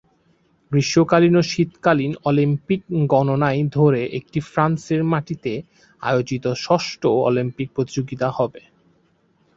গ্রীষ্মকালীন ও শীতকালীন অলিম্পিক গণনায় ধরে এটি ফ্রান্সের মাটিতে আয়োজিত ষষ্ঠ অলিম্পিক প্রতিযোগিতা হবে।